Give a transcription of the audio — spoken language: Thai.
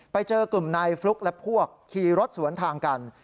ไปเจอกลุ่มนายฟลุ๊กและพวกขี่รถสวนทางกัน